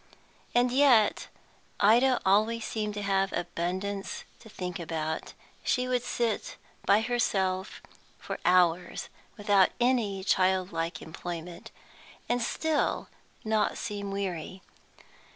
And yet Ida always seemed to have abundance to think about; she would sit by herself for hours, without any childlike employment, and still not seem weary.